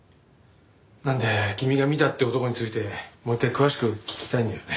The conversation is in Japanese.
なので君が見たって男についてもう一回詳しく聞きたいんだよね。